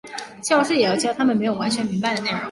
教师也要教他们没有完全明白的内容。